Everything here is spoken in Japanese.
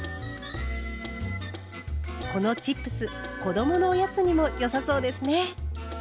このチップス子どものおやつにも良さそうですね。